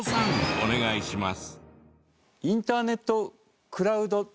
お願いします。